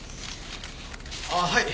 ああはい。